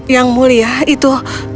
yang mulia itu